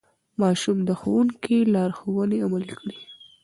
ماشوم د ښوونکي لارښوونې عملي کړې